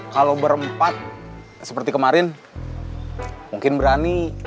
kalau berempat seperti kemarin mungkin berani